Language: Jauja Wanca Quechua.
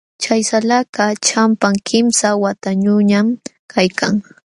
Chay salakaq ćhapam, kimsa watayuqñam kaykan.